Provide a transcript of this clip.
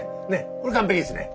これ完璧ですね。